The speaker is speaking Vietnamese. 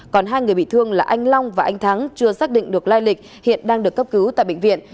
còn hai người bị thương là anh long và anh thắng chưa xác định được lai lịch hiện đang được cấp cứu tại bệnh viện